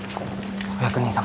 お役人様